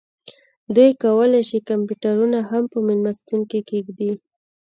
دوی کولی شي کمپیوټرونه هم په میلمستون کې کیږدي